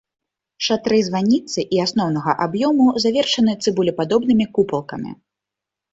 Шатры званіцы і асноўнага аб'ёму завершаны цыбулепадобнымі купалкамі.